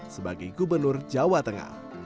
sebagai gubernur jawa tengah